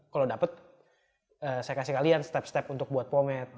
kalau dapat saya kasih kalian step step untuk buat pomed